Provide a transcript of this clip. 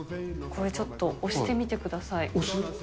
これちょっと押してみてくだ押す？